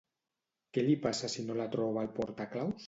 Què li passa si no la troba al portaclaus?